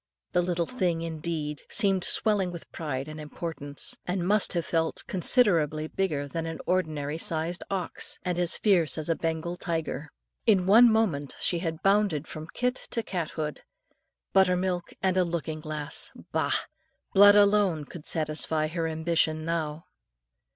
The little thing, indeed, seemed swelling with pride and importance, and must have felt considerably bigger than an ordinary sized ox, and as fierce as a Bengal tiger. In one moment she had bounded from kit to cat hood. Buttermilk and a looking glass! Bah! Blood alone could satisfy her ambition now.